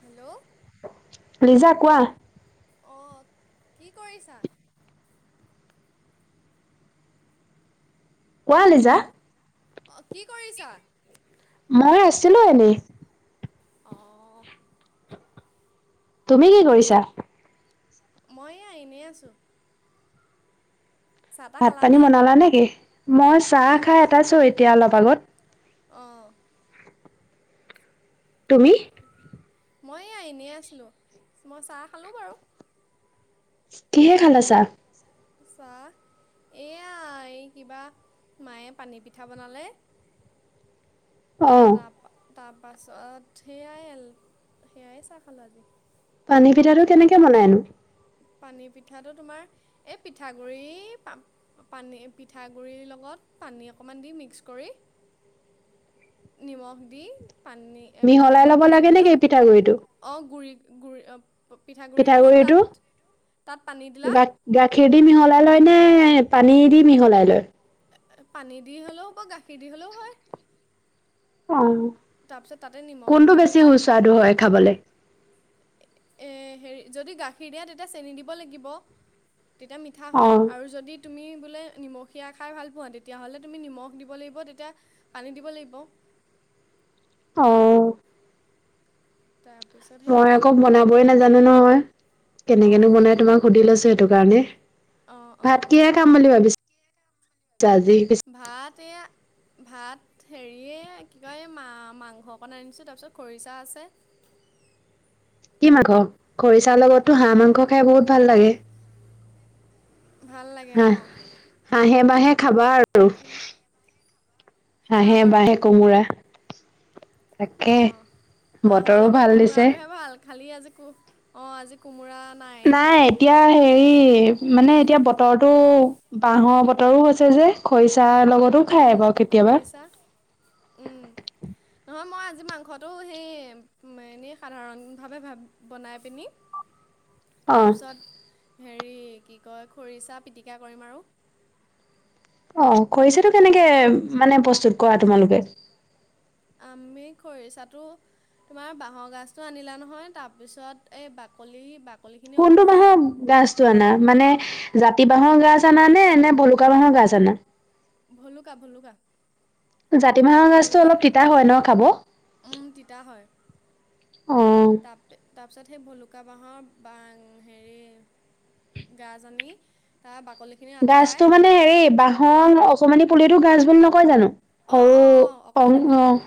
Hello Liza কোৱা? অ' কি কৰিছা? কোৱা লিজা? অ'- কি কৰিছা? মই আছিলোঁ এনে। অ'। তুমি কি কৰিছা? মইে এয়া এনে আছোঁ। চাহ তাহ ভাত-পানী খালানে বনালা নেকি? মই চাহ খাই অটাইছোঁ এতিয়া অলপ আগত। অ'। তুমি? মই এয়া এনেই আছিলোঁ। মই চাহ খালোঁ বাৰু। কিহে খালা চাহ? চাহ এয়া এই কিবা মায়ে পানী পিঠা বনালে। অ'। তাৰ পাছত সেয়াই- সেয়াই চাহ খালোঁ আজি। পানী পিঠাটো কেনেকে বনায় নো? পানী পিঠাটো তোমাৰ এই পিঠাগুৰি পা- পানী- পিঠাগুৰিৰ লগত পানী অকমান দি মিক্স কৰি, নিমখ দি পানী- একো মিহলাই ল'ব তেলত ভাজি লাগে দিলে নেকি হ'ল। পিঠাগুড়িটো অ' গুৰি- গুৰি- অ' পিঠাগুড়িটো তাত তাত পানী দিলা গা- গাখীৰ দি মিহলাই লয় নে পানী দি মিহলাই লয়? পানী দি হ'লেও বা গাখীৰ দি হ'লেও হয়। অ'। তাৰপিছত তাতে নিমখ কোনটো অকণ বেছি দিলা সুস্বাদু হয় খাবলৈ? এ হেৰি যদি গাখীৰ দিয়ে, তেতিয়া চেনি দিব লাগিব। তেতিয়া মিঠা হয়। অঁ আৰু যদি তুমি বোলে নিমখীয়া খাই ভাল পোৱা, তেতিয়লে তুমি নিমখ দিব লাগিব। তেতিয়া পানী দিব লাগিব। [unintelligible] অ'। তাৰপিছত সেই মই তাপ আকৌ বনাবয়ে নাজানো, নহয়। কেনেকেনো অঁ বনায় তোমাক সুধি লৈছোঁ সেইটো কাৰণে। অঁ ভাত অঁ কিহে খাম বুলি ভাবিছ ভাত এয়া ভাত হেৰিয়ে কি কয়, এই মা- মাংস অকণ আনিছোঁ। তাৰপিছত খৰিচা আছে। [inaudible] কি মাংস? খৰিচাৰ লগতো হাঁহ মাংস খাই বহুত ভাল লাগে। ভাল লাগে হা- অঁ হাঁহে-বাঁহে খাবা আৰু। তাকে খাম হাঁহে- আৰু বাঁহে কোমোৰা। তাকে, অঁ হাঁহৰ বতৰো লগত ভাল দিছে। কোমোৰাটোহে ভাল খালি আজি কো- অ' আজি কোমোৰা নাই। এতিয়া হেৰি, মানে এতিয়া বতৰটো বাঁহৰ বতৰো হৈছে যে, খৰি চাৰ লগতো উম খায় বাৰু কেতিয়াবা। খৰিচা উম নহয় মই আজি মাংসটো সেই উম- এনেই সাধাৰণভাৱে ভা- বনাই পিনি অ', তাৰপিছত হেৰি কি কয় খৰিচা পিটিকা কৰিম আৰু অ কৰিছো কেনেকে মানে প্ৰস্তুত কৰা তোমালোকে আমি খৰিচাটো তোমাৰ বাঁহৰ গাছটো আনিলা নহয় তাৰপিছত এই বাকলি বাকলি বাক কোনটো বাহৰ গাছটো আনা মানে জাতি জাতি বাঁহৰ গাছ আনা নে নে ভলুকা বাঁহৰ গাছ আনা ভলুকা ভলুকা জাতি বাহৰ গাছটো ভলুকা অলপ তিতা হয় ন খাব অ', ত তাৰপিছত সেই ভুলুকা বাঁহৰ বা হেৰি গা জানি তাৰ বাকলি গাছতটো মানে হেৰি বাহৰ অকমানি পুলিতো গাছ বুলি নকয় জানো অ সৰু অ অ অং অকমানি পুলিতো অ',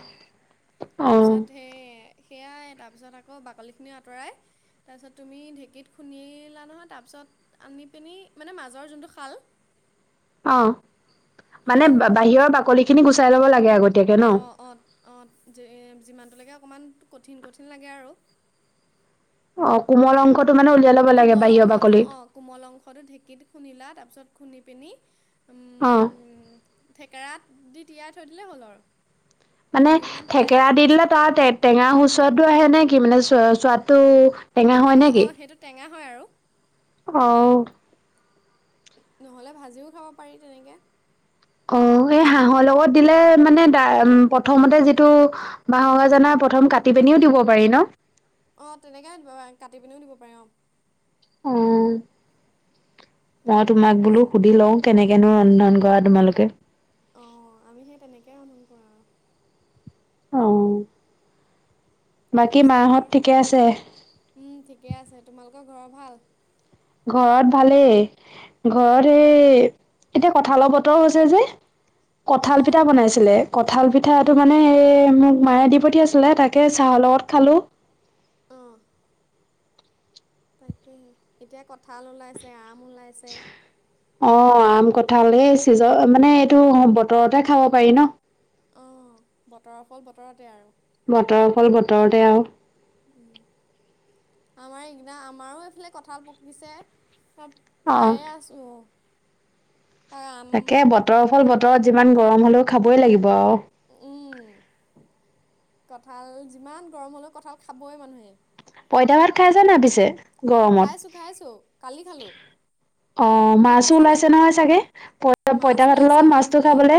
অ', তাৰপিছত সেই সেয়াই তাৰ পিছত আকৌ বাকলি খিনি আঁতৰাই তাৰ পিছত তুমি ঢেঁকীত খুন্দিলা নহয় তাৰপিছত আনি পিনি মানে মাজৰ যোনটো খাল অ মানে বাহিৰৰ বাকলি খিনি গুচাই ল'ব লাগে আগতে। অ অ অ যিমানটো লৈকে অকণমান কঠিন কঠিন লাগে আৰু। অ কোমল অংশটো মানে উলিয়াই ল'ব লাগে কোমল বাহিৰৰ অংশটো বাকলি। অ কোমল অংশটো ঢেঁকীত খুন্দিলা, তাৰ পিছত খুন্দি পিনি অঁ। থেকেৰা দি তিয়াই থৈ দিলেই হ'ল আৰু। মানে দুদিনমান তিয়াই থেকেৰা দি দিলে তাৰ টেঙা চোৱাদটো আহে নে কি, মানে চ চোৱাদটো অ অ সেইটো টেঙা হয় আৰু। অহ নহলে ভাজিও খাব পাৰি তেনেকে। [unintelligible] বাহৰ লগত দিলে মানে দা উম প্ৰথমতে যিটো বাহৰজানা প্ৰথম কাটি পিনিও দিব - পাৰি ন? অ তেনেকে কাটি পিনিও দিব পাৰে অ। অ মই তোমাক বোলো তাৰপিছত সুধি লও কেনেকেনো ৰন্ধন কৰা তোমালোকে অ আমি সেই তেনেকে ৰন্ধন কৰো। অহ। তাৰ পিছত তোমাৰ উম ঠিকে আছে তোমালোকৰ ঘৰৰ ভাল? ঘৰত ভালেই। অ ঘৰত এই এতিয়া কঠালৰ বতৰ হৈছে যে, অ কঁঠাল পিঠা বনাইছিলে কঁঠাল পিঠাটো মানে এই মোক মায়ে দি পঠিয়াইছিলে, তাকে চাহৰ লগত খালো। অ তাকেহে এতিয়া কঠাল ওলাইছে, আম ওলাইছে অ আম কঁঠাল এই চিজ মানে এইটো বতৰতে খাব পাৰি ন। অঁ বতৰৰ ফল বতৰতে আৰু বতৰৰ ফল বতৰতে আৰু উ আমাৰ এইকিটা আমাৰো এইফালে কঠাল পকিছে। চব অ', খাইয়ে আছো অ তাকে বতৰৰ ফল তেনেকে। বতৰত যিমান গৰম হলেও খাবই লাগিব আৰু। উম কঠাল যিমান গৰম হলেও কঠাল খাবই মানুহে পইতা ভাত খাই যে না পিছে? গৰমত? খাইছো খাইছো কালি খালো অ মাছো ওলাইছে নহয় চাগে, পই মাছ পইতা পাতৰ ওলাইছে লগত অ মাছটো এইফালে। খাবলে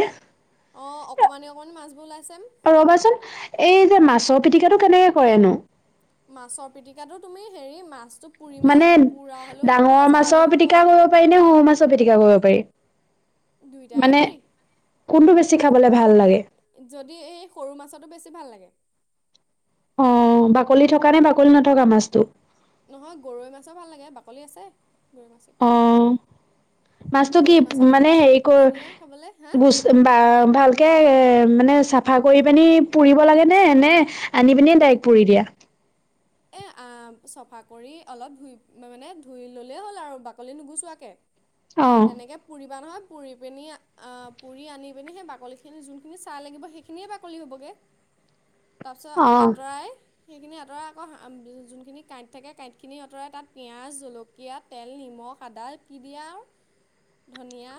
অ অকমানি অকমানি মাছবোৰ ওলাইছে ৰবাচোন এই যে মাছৰ পিটিকটো কেনেকে কৰে নো? মাছৰ পিটিকাটো তুমি হেৰি মাছ মানে ডাঙৰ হ'লেও মাছৰ হ'ব। পিটকা কৰিব পাৰি নে, সৰু মাছৰ পিটকা কৰিব পাৰি? দুইটাই মানে পাৰি। কোনটো বেছি খাবলে ভাল লাগে? যদি এই সৰু মাছতো বেছি ভাল লাগে। অ', বাকলি থকা নে বাকলি নথকা মাছটো? নহয় গৰৈ মাছো ভাল লাগে। বাকলি আছে গৰৈ মাছত। মাছতটো কি গৰৈ মাছৰ মানে পিটিকাহে হেৰি কৰ ধুনীয়া খাবলে হা গোচ বা ভালকে এ মানে চ- চাফা কৰি পানি পুৰিব লাগে নে, নে আনি পিনি ডাইৰেক্ট পুৰি দিয়া? এ আ চফা কৰি অলপ ধুই মানে ধুই ললেই হ'ল আৰু বাকলি নুগোচোৱাকে। অ'। তেনেকে পুৰিবা নহয়, পুৰি পিনি আহ পুৰি আনি পিনি সেই বাকলি খিনি যোনখিনি চাহ লাগিব, সেইখিনিয়ে বাকলি হ'বগে। তাৰপিছত অ', আঁতৰাই সেইখিনি আঁতৰাই, ক যোনখিনি কাঁইট থাকে, কাঁইট খিনি আঁতৰাই তাত পিয়াজ, জলকীয়া, তেল, নিমখ, আদা খিনি আও ধনিয়া।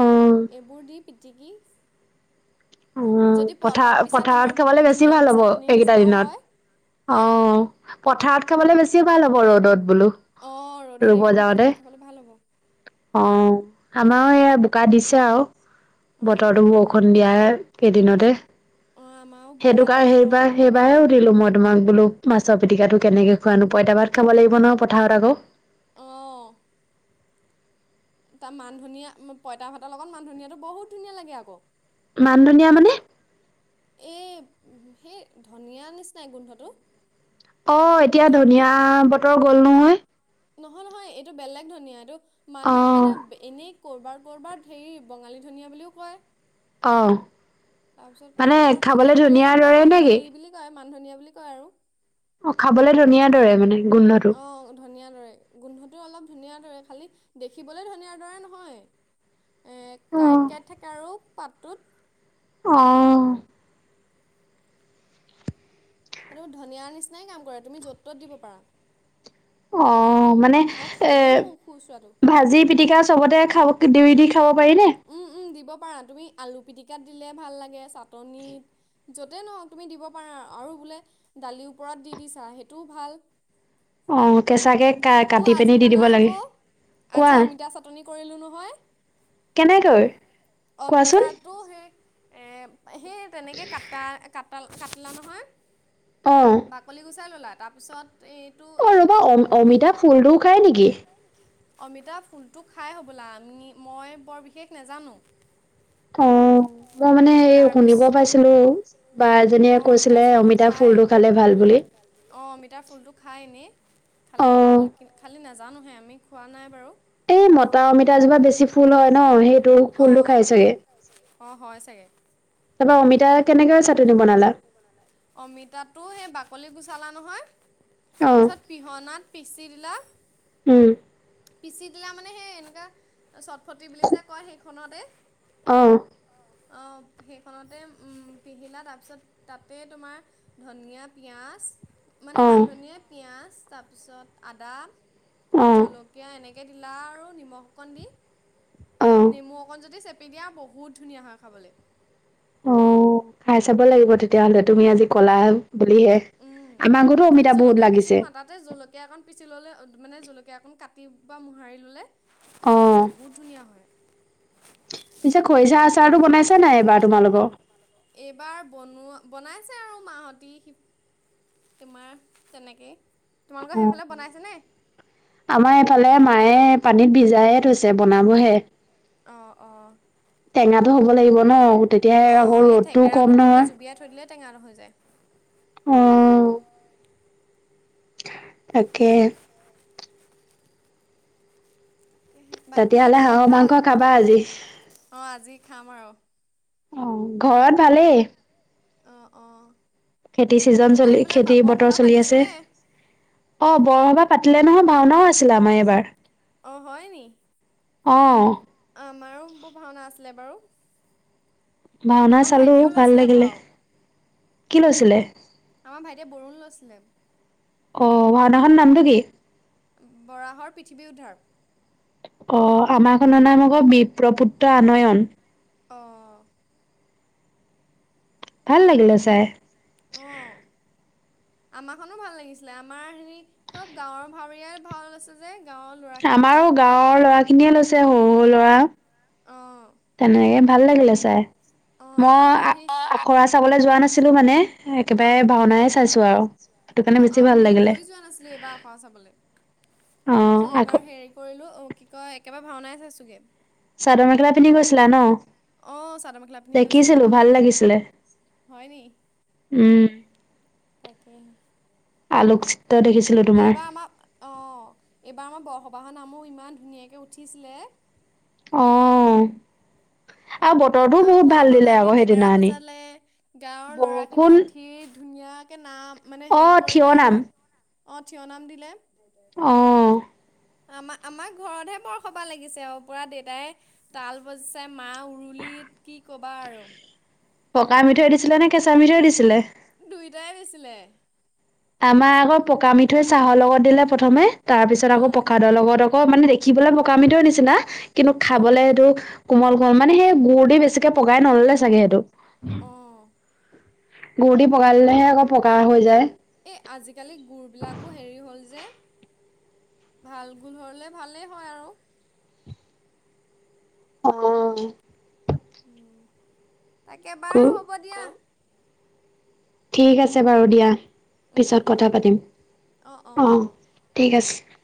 অ', এইবোৰ দি পিটিকি অ', যদি পোৱা পথাৰ তাত পিছ পথাৰত তোমাৰ খাবলে বহুত বেছি ধুনীয়া ভাল হয়। হ'ব চাটনীৰ এইকেইটা নিচিনাও দিনত। হয়। হা অ, পথাৰত খাবলে বেছি ভাল হ'ব ৰ'দত। বোলো অ, ৰ'দত ৰুব একেদিন যাওঁতে। পথাৰত খাবলে ভাল হ'ব। অ, আমাৰো এয়া বোকা দিছে আৰু অঁ বতৰটো বৰষুণ দিয়াই। কেইদিনতে অঁ আমাৰো সেইটো বোকা কাৰ দিব সেইবাৰ এইকেইদিনতে সেইবাৰে সুধিলো মই তোমাক বোলো, মাছৰ পিটিকাটো কেনেকে খুৱনো পইতা ভাত খাব লাগিব ন পথাৰত আকৌ। অঁ তাৰ মান ধনিয়া, পইতা ভাতৰ লগত মান ধনিয়ো বহুত ধুনীয়া লাগে আকৌ। মান ধনিয়া মানে? এই, সেই ধনিয়া নিচনাই গোন্ধটো। অ, এতিয়া এইটো ধনিয় তো- বতৰ গ'ল নহয়? নহয়, নহয় এইটো বেলেগ ধনীয়া। এইটো মান অ ধনীয়া এনে এনেই কৰবাৰ, কৰবাৰ হেৰি বঙালী ধনিয়া বুলিও কয়। অ তাৰপিছত মানে আমাৰ খাবলে এইফালে ধনিয়াৰ যেনিবা দৰে আমাৰ নেকি হেৰি বুলি কয়। মান ধনীয়া বুলি কয় আৰু। অ, খাবলে ধুনীয়া দৰে মানে গোন্ধটো? ধুনিয়া দৰে গোন্ধতো অলপ ধুনিয়া দৰে খালী দেখিবলৈ ধনিয়া দৰে নহয়। এ, অ কাঁইট-কাঁইট থাকে আৰু পাতটোত। আহ। তুমি ধনিয়াৰ নিচিনাই কাম কৰে। তুমি য'ত ত'ত দিব পাৰা। অ, মানে আৰু এ, খাবলৈও সু সুস্বাদু ভাজি-পিটিকা চবতে খাব দি দি খাব পাৰি নে? উম উম দিব পাৰা। তুমি আলু পিটিকাত দিলে ভাল লাগে, চাটনিত য'তে নহওক তুমি দিব পাৰা। আৰু বোলে দালিৰ ওপৰত দি দিছা সেইটোও ভাল। অ, কেঁচাকে কা অ' কাটি পিনি আজি দি দিব শুনা লাগে। আকৌ কোৱা? আজি অমিতা চাটনি কৰিলোঁ নহয়। কেনেকৈ, কোৱাচোন? অমিতাটো সেই এ, সি তেনেকে কটা ক কাটলা নহয়, অ বাকলি গুচাই ললা। তাৰ পিছত অ, ৰবা অমিতা ফুলটো খাই নেকি? অমিতা ফুলটো খাই হ'বলা, মই বৰ বিশেষ নাজানো। অ। মই মানে সেই তাৰপিছ শুনিব পাইছিলো, বা এজনীয়ে অঁ অমিতাৰ কৈছিলে অমিতা খায় ফুলটো খালে ভাল বুলি। অঁ, অমিতাৰ ফুলটো খায় এনেই। খালে অ', ভাল খালি নাজানোহে আমি খোৱা নাই বাৰু। এই মতা অমিতা জোপা বেছি ফুল হয়। ন? সেইটো ফুল টো অঁ খাই অঁ হয় ন, চাগে। অৰিজিনেল ফুলটো খাই চাগে অ হয় চাগে। তাৰপা অমিতা কেনেকে চ অমিতাতটো সেই বাকলি গোচালা নহয়। [unintelligible] তাৰ অ', পিছত পিহনাত পিচি দিলা। উম। পিচি দিলা মানে সেই এনেকা চটফটি বুলি যে কয় সেইখনতে। [unintelligible] অ। অ, সেইখনতে উম পিহিলা তাৰপিছত তাতে তোমাৰ ধনিয়া, পিঁয়াজ মানে অ', মান ধনিয়া, পিঁয়াজ তাৰপিছত আদা অ', জলকীয়া এনেকে দিলা আৰু নিমখ অকণ দি। অ', নেমু অকণ যদি চেপি দিয়া বহুত ধুনীয়া হয়, খাবলৈ। অ, খাই চাব লাগিব তেতিয়াহলে। তুমি আজি কলা বুলিহে। উম, আমাৰ ঘৰতো বোলে তুমি অমিতা বহুত জলকীয়া বেছি লাগিছে। খোৱা, তাতে জলকীয়া একন পিছি ললে মানে জলকীয়া অকণ কাটি বা মোহাৰি ল'লে অ', বহুত ধুনীয়া হয়। পিছে খৰিচা আচাৰটো বনাইছা নাই এইবাৰ তোমালোকৰ এইবাৰ বনোৱা বনাইছে আৰু মাহঁতি তোমাৰ তেনেকেই তোমালোকৰ [unintelligible] সেইফালে বনাইছেনে? আমাৰ এইফালে মায়ে পানীত ভিজায়ে থৈছে বনাবহে [inaudible] টেঙাটো হ'ব লাগিব ন তেতিয়াহে আকৌ ৰ'দতটোও কম নহয় [unintelligible] টেঙা ন হৈ যায় [unintelligible] অঁ তাকে বাকী তেতিয়াহলে ঘৰত হাঁহৰ ভাল? মাংস খাবা আজি অ', আজি খাম আৰু অ ঘৰত ভালেই? [inaudible] খেতি চিজন তোমালোকৰ চলি সেইফালে খেতি বতৰ বৰসবাহ চলি আছে পাতিছেনে? অ বৰসবাহ [unintelligible] পাতিলে নহয় ভাওনাও আছিলে আমাৰ এইবাৰ [unintelligible] অ হয় নি? [unintelligible] অঁ [unintelligible] আমাৰো ভাওনা আছিলে বাৰু ভাওনা আমাৰ চালো ভাইটিয়েও ভাল লৈছিলে লাগিলে ভাও কি লৈছিলে [unintelligible] আমাৰ ভাইটিয়ে বৰুণ লৈছিলে অ ভাওনাখনৰ নামটো কি? [unintelligible] বৰাহৰ পৃথিৱী উদ্ধাৰ অ আমাৰখনৰ নাই আকৌ বিপপুত্ৰ আনয়ন [unintelligible] অঁ ভাল তাকে লাগিলে চাই। আহ আমাৰখনো ভাল লাগিছিলে আমাৰ হেৰি চব গাৱৰ ভাৱৰীয়াই ভাল আছে যে [unintelligible] ল'ৰাখিনিয়ে আমাৰো গাঁৱৰ ল'ৰাখিনিয়ে লৈছে সৰু-সৰু ল'ৰা অ', তেনেকে ভাল লাগিলে ছাই অ', মই আমাৰ আ সেই আখৰা চাবলৈ যোৱা নাছিলো মানে [unintelligible] অ', একেবাৰে ভাওনাই চাইছো আৰু [unintelligible] অ কাৰণে বেছি ভাল আমি লাগিলে ময়ো যোৱা নাছিলো এইবাৰ আখৰা চাবলৈ অ তাৰ পিছত আখ এইবাৰ হেৰি কৰিলো অ কি কয় একেবাৰে ভাওনাই চাইছোগে [unintelligible] চাদৰ-মেখেলা পিন্ধি গৈছিলা ন? [unintelligible] আহ চাদৰ-মেখেলা পিন্ধি গৈছিলো দেখিছিলো ভাল লাগিছিলে হয় নি উম [unintelligible] তাকে [unintelligible] আলোক [unintelligible] তোমাৰ এইবাৰ আমাৰ অ এইবাৰ আমাৰ ব [unintelligible] সবাহ নামো ইমান ধুনীয়াকৈ উঠিছিলে [inaudible] আহ [unintelligible] আকৌ আমাৰ ভাইটিয়ে নেগেৰা সেইদিনাখনি বজালে গাঁৱৰ লৰাখিনি বৰষুণ উঠি ধুনীয়া। তাকে নাম মানে অ হেৰি থিয় কৰিলে আৰু অ থিয় নাম দিলে। আহ। আমাৰ আমাক ঘৰতহে বৰসবাহ লাগিছে আৰু পুৰা দেউতাই তাল বজিছেই মা। প কি ক'বা আৰু পকা মিঠৈ দিছিলে নে কেঁচামিঠ‌ই দিছিলে। দুইটাই দিছিলে। আমাৰ আকৌ পকা মিঠৈ চাহৰ লগত দিলে প্ৰথমে তাৰ পিছত অ আকৌ প্ৰসাদৰ লগত। ক মানে দেখিবলৈ পকামিঠৈ নিচিনা কিন্তু অ খাবলৈ সেইটো। কোমল-কোমল মানে সেই গুডুৰ দি বেছিকে পগাই নললে চাগে সেইটো। অ গুৰদি পগাই ললেহে আকৌ পকা হৈ যায় এই আজিকালি গুৰবিলাকো হেৰি হ'ল যে। ভাল গোলহলে ভালেই হয় আৰু অ উম তাকে বাৰু হ'ব দিয়া ঠিক আছে বাৰু দিয়া। উম পিছত উম কথা হ'ব। পাতিম অ ঠিক আছে।